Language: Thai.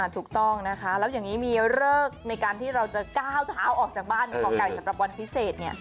ถูกต้องนะคะแล้วอย่างนี้มีเลิกในการที่เราจะก้าวเท้าออกจากบ้านหมอไก่สำหรับวันพิเศษ